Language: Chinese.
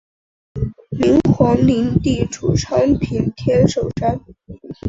明皇陵地处昌平天寿山。